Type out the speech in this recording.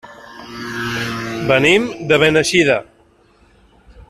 Venim de Beneixida.